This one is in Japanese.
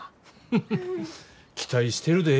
フフフ期待してるで。